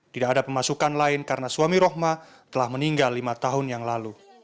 tidak ada pemasukan lain karena suami rohmah telah meninggal lima tahun yang lalu